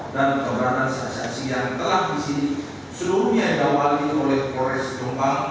dan keberadaan saksi saksi yang telah disini seluruhnya diawali oleh kores jomba